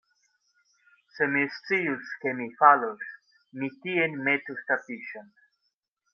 Se mi scius, kie mi falos, mi tien metus tapiŝon.